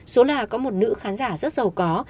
số nào có một nữ khán giả rất giàu có